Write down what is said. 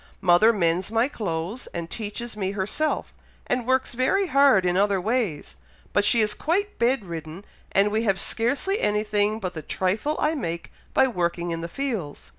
Mother mends my clothes, and teaches me herself, and works very hard in other ways, but she is quite bed ridden, and we have scarcely anything but the trifle I make by working in the fields.